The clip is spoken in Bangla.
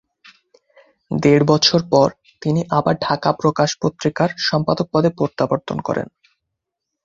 দেড় বছর পর তিনি আবার ঢাকা প্রকাশ পত্রিকার সম্পাদক পদে প্রত্যাবর্তন করেন।